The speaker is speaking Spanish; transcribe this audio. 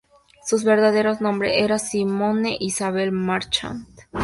Su verdadero nombre era Simone Isabelle Marchand.